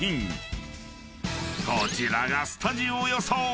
［こちらがスタジオ予想］